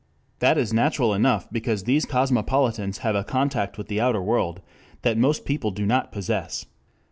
That is natural enough because these cosmopolitans have a contact with the outer world that most people do not possess.